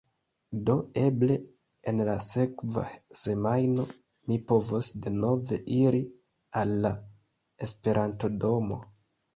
Do eble en la sekva semajno mi povos denove iri al la esperantodomo